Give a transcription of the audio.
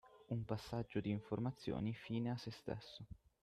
Un passaggio di informazioni fine a se stesso